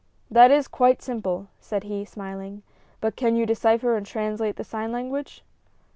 "That is quite simple," said he, smiling; "but can you decipher and translate the sign language?"